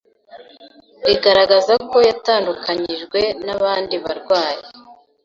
rigaragaza ko yatandukanyijwe n’abandi barwayi